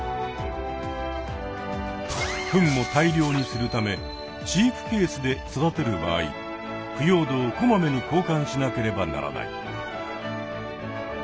フンも大量にするため飼育ケースで育てる場合腐葉土をこまめに交換しなければならない。